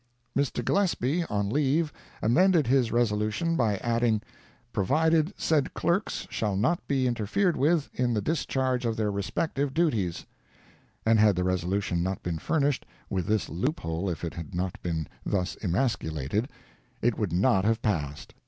Mr. Gillespie, on leave, amended his resolution by adding "Provided said clerks shall not be interfered with in the discharge of their respective duties"—and had the resolution not been furnished with this loophole if it had not been thus emasculated, it would not have passed.